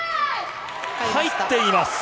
入っています。